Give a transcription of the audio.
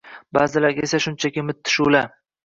ba’zilarga esa shunchaki mitti shu’la